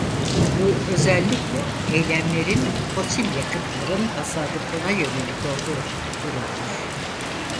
Bu özellikle eylemlerin fosil yakıtların tasarrufuna yönelik olduğu durumdur.